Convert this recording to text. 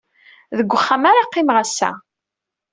Deg uxxam ara qqimeɣ ass-a.